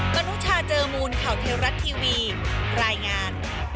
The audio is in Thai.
นุชาเจอมูลข่าวเทวรัฐทีวีรายงาน